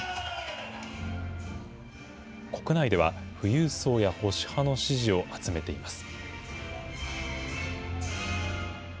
国内では富裕層や保守派の支持を集めています。